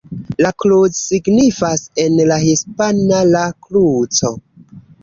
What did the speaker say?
La Cruz signifas en la hispana "La Kruco".